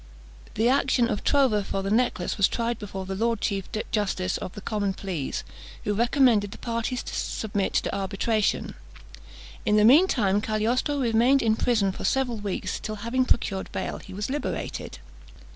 The action of trover for the necklace was tried before the Lord Chief Justice of the Common Pleas, who recommended the parties to submit to arbitration. In the mean time Cagliostro remained in prison for several weeks, till having procured bail, he was liberated.